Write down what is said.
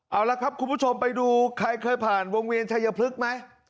เอาละครับคุณผู้ชมไปดูใครเคยผ่านวงเวียนชายพลึกไหม